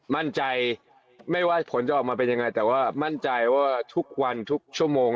มั่นใจไม่ว่าผลจะออกมาเป็นยังไงแต่ว่ามั่นใจว่าทุกวันทุกชั่วโมง